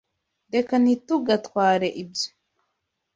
Reka ntitugatware ibyo.